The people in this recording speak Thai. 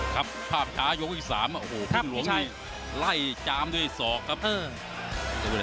ครับภาพช้ายกที่๓โอ้โหพึ่งหลวงนี่ไล่จามด้วยศอกครับ